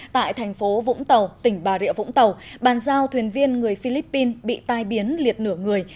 tại thành phố vũng tàu tỉnh bà rịa vũng tàu bàn giao thuyền viên người philippines bị tai biến liệt nửa người